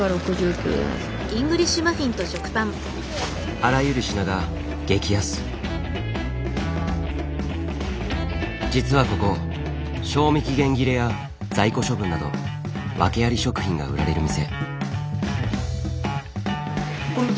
あらゆる品が実はここ賞味期限切れや在庫処分などワケあり食品が売られる店。